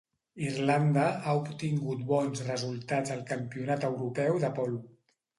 Irlanda ha obtingut bons resultats al Campionat Europeu de Polo.